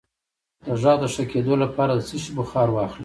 د غږ د ښه کیدو لپاره د څه شي بخار واخلئ؟